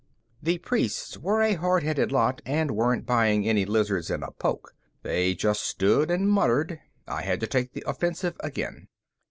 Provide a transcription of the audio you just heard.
The priests were a hard headed lot and weren't buying any lizards in a poke; they just stood and muttered. I had to take the offensive again.